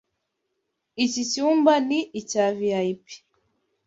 Iki cyumba ni icya VIP.